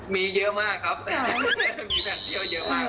มีเยอะมากครับมีแพลนทิพย์เยอะมาก